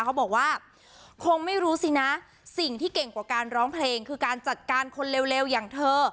เขาบอกว่าคงไม่รู้สินะสิ่งที่เก่งกว่าการร้องเพลงคือการจัดการคนเร็วอย่างเธอ